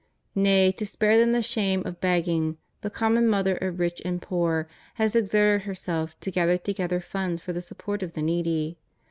Nay, to spare them the shame of begging, the common mother of rich and poor has exerted herself to gather together funds for the support of the needy.